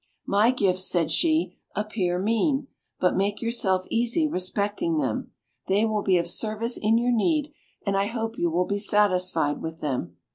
"My gifts," said she, "appear mean; but make yourself easy respecting them. They will be of service in your need, and I hope you will be satisfied with them."